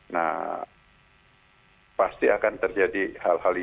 nah pasti akan terjadi hal hal yang